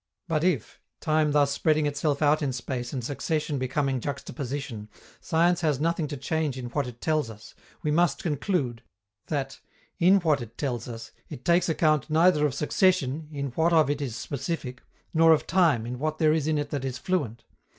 But if, time thus spreading itself out in space and succession becoming juxtaposition, science has nothing to change in what it tells us, we must conclude that, in what it tells us, it takes account neither of succession in what of it is specific nor of time in what there is in it that is fluent.